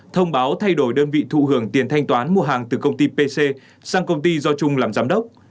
thông báo thay đổi đơn vị thụ hưởng tiền thanh toán mua hàng từ công ty pc sang công ty do trung làm giám đốc